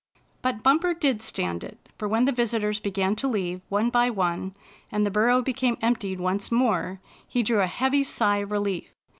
But Bumper did stand it, for when the visitors began to leave, one by one, and the burrow be came emptied once more, he drew a heavy sigh of relief.